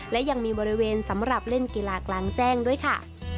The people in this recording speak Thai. และยังมีบริเวณสำหรับเล่นกีฬากลางแจ้งด้วยค่ะ